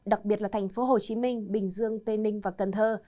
đặc biệt là tp hcm bình dương tây ninh và cần thơ